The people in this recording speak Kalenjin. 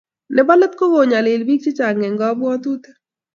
Nebo let ko kikonyalil bik chechang eng kabwatutik